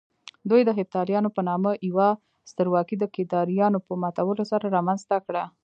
دوی د هېپتاليانو په نامه يوه سترواکي د کيداريانو په ماتولو سره رامنځته کړه